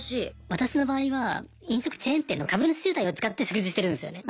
私の場合は飲食チェーン店の株主優待を使って食事するんですよね。